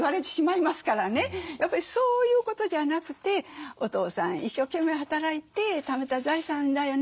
やっぱりそういうことじゃなくて「お父さん一生懸命働いてためた財産だよね。